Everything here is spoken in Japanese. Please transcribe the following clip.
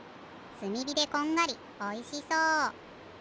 すみびでこんがりおいしそう。